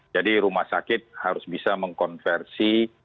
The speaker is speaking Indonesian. jadi rumah sakit harus bisa mengkonversi